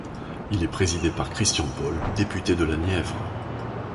Il est présidé par Christian Paul, député de la Nièvre.